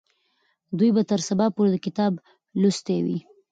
دوی به تر سبا پورې دا کتاب لوستی وي.